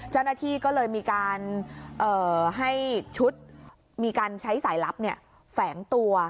เจ้าหน้าที่ก็เลยมีการให้ชุดมีการใช้สายลับแฝงตัว